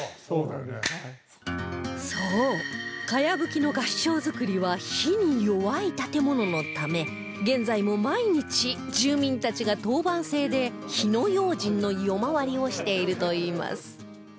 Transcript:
茅葺きの合掌造りは火に弱い建物のため現在も毎日住民たちが当番制で火の用心の夜回りをしているといいます